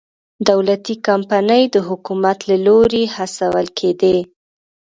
دولتي کمپنۍ د حکومت له لوري هڅول کېدې.